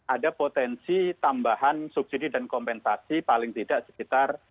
ada potensi tambahan subsidi dan kompensasi paling tidak sekitar